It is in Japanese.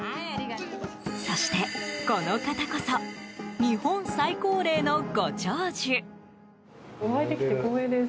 そして、この方こそ日本最高齢のご長寿。